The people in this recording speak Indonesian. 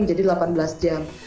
jadi delapan belas jam